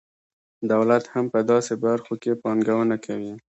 دولت هم په داسې برخو کې پانګونه کوي.